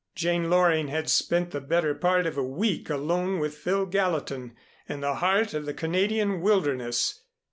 Jane Loring had spent the better part of a week alone with Phil Gallatin in the heart of the Canadian wilderness.